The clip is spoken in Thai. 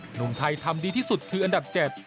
หนุ่มไทยทำดีที่สุดคืออันดับ๗